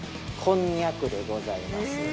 こんにゃくでございます。